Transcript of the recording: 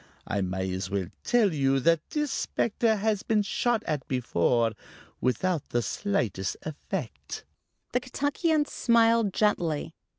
I may as well tell you that this specter has been shot at before without the slightest effect." The Kentuckian smiled gently.